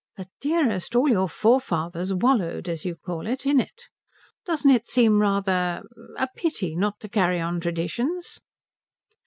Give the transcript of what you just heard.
"But dearest, all your forefathers wallowed, as you call it, in it. Doesn't it seem rather a pity not to carry on traditions?"